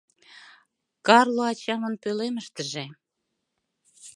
— Карло ачамын пӧлемыштыже.